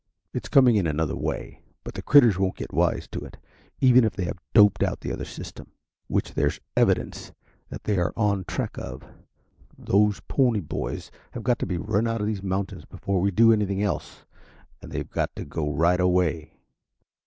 It's coming in another way, but the critters won't get wise to it, even if they have doped out the other system, which there's evidence that they are on track of. Those Pony Boys have got to be run out of these mountains before we do anything else, and they've got to go right away."